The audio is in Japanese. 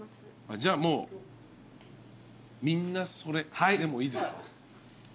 じゃあもうみんなそれでもいいですか？